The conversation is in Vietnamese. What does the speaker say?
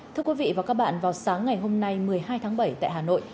thưa quý vị và các bạn vào sáng ngày hôm nay một mươi hai tháng bảy tại hà nội